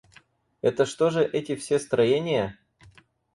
Это что же эти все строения?